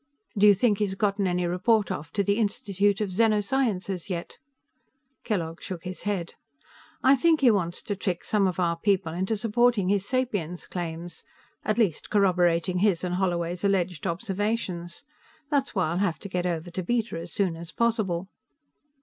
"Do you think he's gotten any report off to the Institute of Xeno Sciences yet?" Kellogg shook his head. "I think he wants to trick some of our people into supporting his sapience claims; at least, corroborating his and Holloway's alleged observations. That's why I'll have to get over to Beta as soon as possible."